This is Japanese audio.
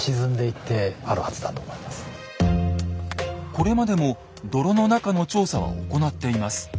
これまでも泥の中の調査は行っています。